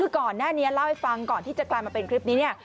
คือก่อนหน้านี้เล่าให้ฟังก่อนที่จะกลายมาเป็นคลิปนี้เนี่ย